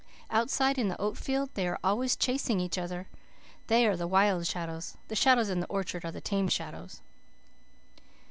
Outside, in the oat field, they are always chasing each other. They are the wild shadows. The shadows in the orchard are the tame shadows.